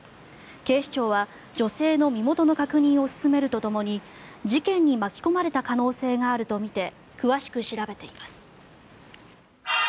警視庁は女性の身元の確認を進めるとともに事件に巻き込まれた可能性があるとみて詳しく調べています。